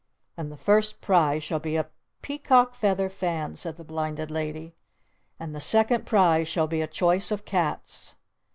And the first prize shall be a Peacock Feather Fan!" said the Blinded Lady. "And the second prize shall be a Choice of Cats!"